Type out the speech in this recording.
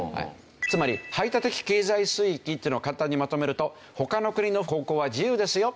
つまり排他的経済水域というのは簡単にまとめると他の国の航行は自由ですよ。